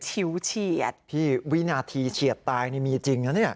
ฉิวเฉียดพี่วินาทีเฉียดตายนี่มีจริงนะเนี่ย